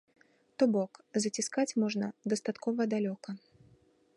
То бок, заціскаць можна дастаткова далёка.